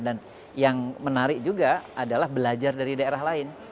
dan yang menarik juga adalah belajar dari daerah lain